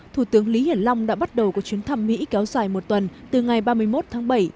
thủ tướng lý hiển long đã bắt đầu có chuyến thăm mỹ kéo dài một tuần từ ngày ba mươi một tháng bảy